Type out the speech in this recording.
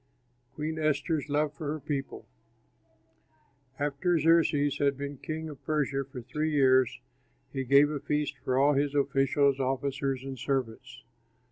QUEEN ESTHER'S LOVE FOR HER PEOPLE After Xerxes had been king of Persia for three years, he gave a feast for all his officials, officers, and servants.